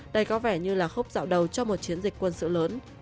đây có vẻ như là khúc dạo đầu cho một chiến dịch quân sự lớn